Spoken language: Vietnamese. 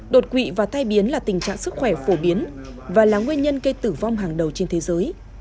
đột quỵ và tai biến là tình trạng sức khỏe phổ biến và là nguyên nhân gây tử vong hàng đầu trên thế giới